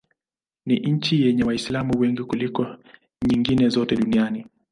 Ni nchi yenye Waislamu wengi kuliko nyingine zote duniani.